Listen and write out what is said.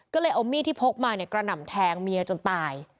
ก็เลยเอามีดที่พกมากระหน่ำแทงเมียจนตาย